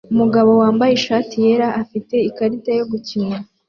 Umugabo wambaye ishati yera afite ikarita yo gukina